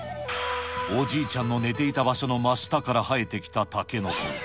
おじいちゃんの寝ていた場所の真下から生えてきたタケノコ。